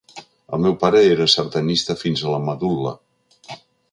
El meu pare era sardanista fins a la medul·la.